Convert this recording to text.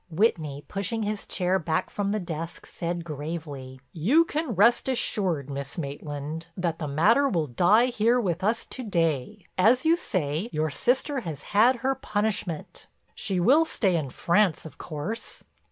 Whitney, pushing his chair back from the desk, said gravely: "You can rest assured, Miss Maitland, that the matter will die here with us to day. As you say, your sister has had her punishment. She will stay in France of course?"